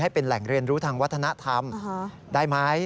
เป็นแหล่งเรียนรู้ทางวัฒนธรรมได้ไหม